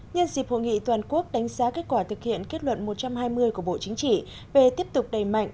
nhân dịp hội nghị toàn quốc đánh giá kết quả thực hiện kết luận một trăm hai mươi của bộ chính trị về tiếp tục đẩy mạnh